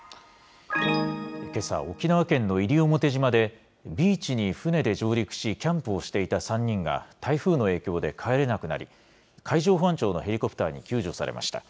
けさ、沖縄県の西表島で、ビーチに船で上陸し、キャンプをしていた３人が、台風の影響で帰れなくなり、海上保安庁のヘリコプターに救助されました。